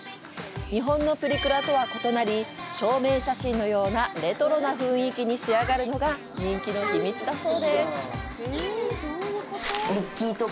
日本のプリクラとは異なり、証明写真のようなレトロな雰囲気に仕上がるのが人気の秘密だそう！